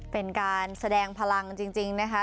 เป็นการแสดงพลังจริงนะคะ